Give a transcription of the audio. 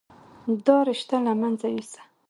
دا رشته له منځه يوسه.